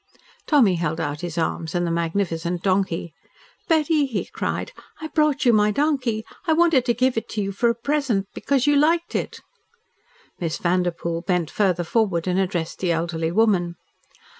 Tommy held out his arms and the magnificent donkey. "Betty," he cried, "I brought you my donkey. I wanted to give it to you for a present, because you liked it." Miss Vanderpoel bent further forward and addressed the elderly woman.